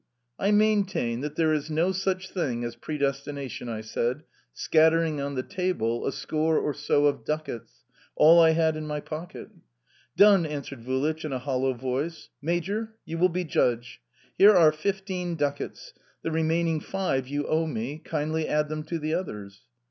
"I maintain that there is no such thing as predestination," I said, scattering on the table a score or so of ducats all I had in my pocket. "Done," answered Vulich in a hollow voice. "Major, you will be judge. Here are fifteen ducats, the remaining five you owe me, kindly add them to the others."